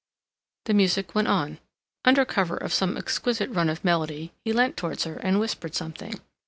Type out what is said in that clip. The music went on. Under cover of some exquisite run of melody, he leant towards her and whispered something.